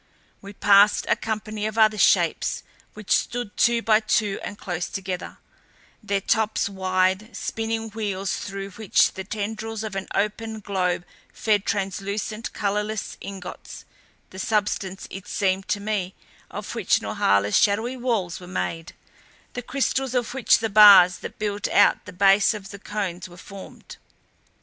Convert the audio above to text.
We passed a company of other Shapes which stood two by two and close together, their tops wide spinning wheels through which the tendrils of an opened globe fed translucent, colorless ingots the substance it seemed to me of which Norhala's shadowy walls were made, the crystal of which the bars that built out the base of the Cones were formed.